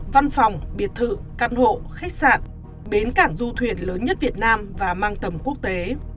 văn phòng biệt thự căn hộ khách sạn bến cảng du thuyền lớn nhất việt nam và mang tầm quốc tế